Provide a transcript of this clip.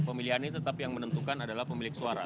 pemilihan ini tetap yang menentukan adalah pemilik suara